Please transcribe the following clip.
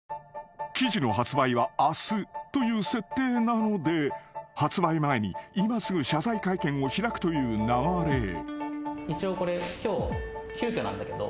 ［記事の発売は明日という設定なので発売前に今すぐ謝罪会見を開くという流れへ］